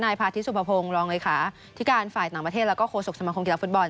นายพาธิสุภพงรองริคาที่การฝ่ายต่างประเทศแล้วก็โฆษกสมาคมกีตาฟุตบอล